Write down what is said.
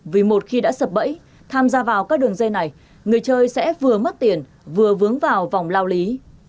vì một khi đã sập bẫy tham gia vào các đường dây này người chơi sẽ vừa mất tiền vừa vướng vào vòng lao lý